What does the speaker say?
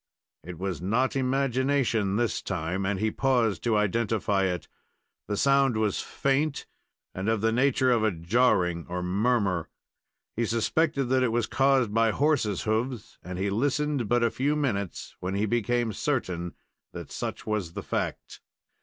It was not imagination this time, and he paused to identify it. The sound was faint and of the nature of a jarring or murmur. He suspected that it was caused by horses' hoofs, and he listened but a few minutes when he became certain that such was the fact.